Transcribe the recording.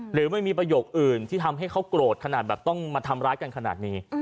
หรือไม่มีประโยคอื่นที่ทำให้เขาโกรธขนาดแบบต้องมาทำร้ายกันขนาดนี้